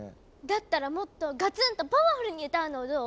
だったらもっとガツンとパワフルに歌うのはどう？